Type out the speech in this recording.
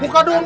buka dulu lah